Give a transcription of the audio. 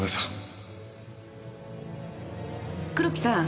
黒木さん。